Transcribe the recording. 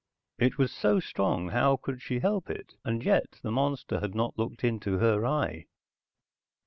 It was so strong, how could she help it? And yet, the monster had not looked into her eye.